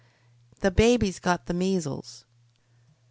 "The baby's got the measles."